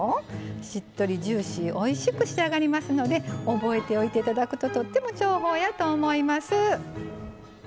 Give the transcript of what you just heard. しっとりジューシーおいしく仕上がりますので覚えておいて頂くととっても重宝やと思います。